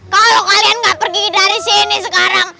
kalau kalian nggak pergi dari sini sekarang